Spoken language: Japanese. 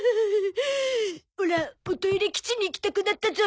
オラおトイレ基地に行きたくなったゾ。